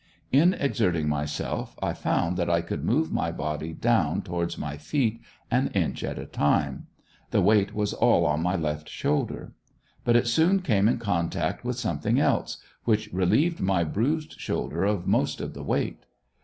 In exerting myself I found that I could move my body down towards my feet, an inch at a time. The weight was all on my left shoulder. But it soon came in contact with something else, which relieved my bruised shoulder of most of the weight.